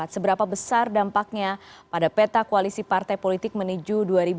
seberapa besar dampaknya pada peta koalisi partai politik menuju dua ribu dua puluh